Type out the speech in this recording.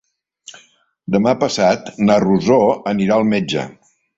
Demà passat na Rosó anirà al metge.